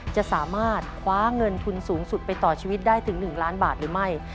จะสามารถคว้าเงินทุนสูงสุดไปต่อชีวิตได้ถึง๑ล้านบาทหรือไม่